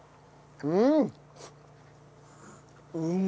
うん！